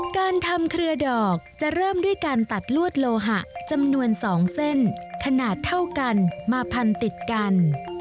การทำเครือดอกจะเริ่มด้วยการตัดลวดโลหะจำนวน๒เส้นขนาดเท่ากันมาพันติดกัน